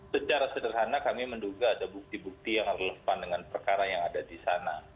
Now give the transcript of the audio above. secara sederhana kami menduga ada bukti bukti yang relevan dengan perkara yang ada di sana